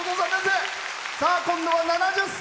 今度は７０歳。